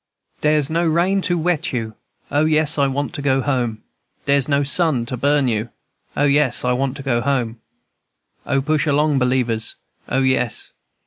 "Dere's no rain to wet you, O, yes, I want to go home. Dere's no sun to burn you, O, yes, I want to go home; O, push along, believers, O, yes, &c.